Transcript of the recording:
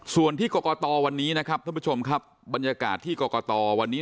ส่วนที่กรกตวันนี้นะครับท่านผู้ชมครับบรรยากาศที่กรกตวันนี้